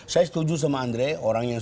saya setuju sama andre orang yang